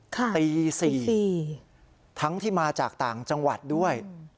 ตี๔ทั้งที่มาจากต่างจังหวัดด้วย